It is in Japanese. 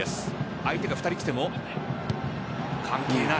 相手が２人来ても関係ない。